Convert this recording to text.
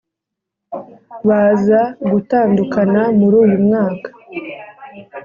baza gutandukana muri uyu mwaka ,